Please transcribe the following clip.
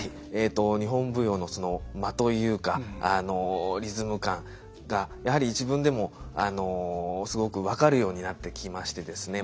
日本舞踊のその「間」というかリズム感がやはり自分でもすごく分かるようになってきましてですね。